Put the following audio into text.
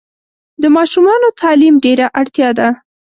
د ماشومانو تعلیم ډېره اړتیا ده.